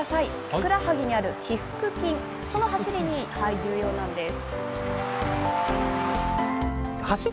ふくらはぎにあるひ腹筋、その走りに重要なんです。